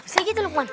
segi tuh lukman